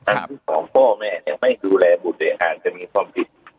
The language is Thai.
อันที่สองพ่อแม่ไม่คุ้มแรงบุตรอาจจะมีความผิด